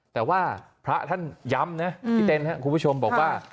แต่ว่าพระท่านย้ำนะพี่เต้นครับคุณผู้ชมบอกว่า